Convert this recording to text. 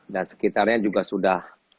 dan sekitarnya juga sudah